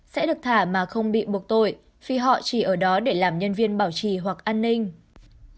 sẽ được thả mà không bị buộc tội vì họ chỉ ở đó để làm nhân viên bảo trì hoặc an ninh